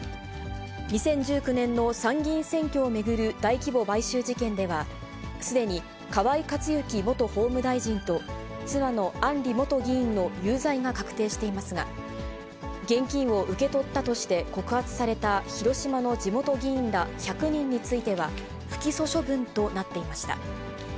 ２０１９年の参議院選挙を巡る大規模買収事件では、すでに河井克行元法務大臣と妻の案里元議員の有罪が確定していますが、現金を受け取ったとして、告発された広島の地元議員ら１００人については、不起訴処分となっていました。